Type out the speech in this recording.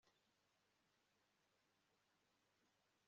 Kunda aba bana bakomeye bamanitse kumyambarire yawe